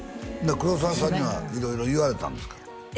黒澤さんには色々言われたんですか？